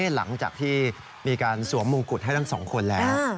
หลังจากที่มีการสวมมงกุฎให้ทั้งสองคนแล้ว